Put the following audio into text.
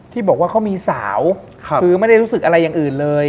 ที่บอกว่าเขามีสาวคือไม่ได้รู้สึกอะไรอย่างอื่นเลย